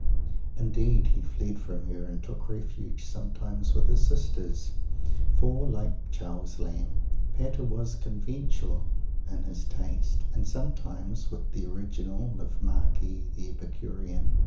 Indeed, he fled from her, and took refuge sometimes with his sisters, for, like Charles Lamb, Pater was "Conventual" in his taste and sometimes with the "original" of Marius the Epicurean.